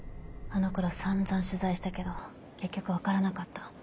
あのころさんざん取材したけど結局分からなかった。